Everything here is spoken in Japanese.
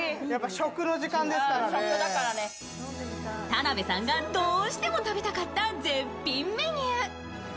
田辺さんがどうしても食べたかった絶品メニュー。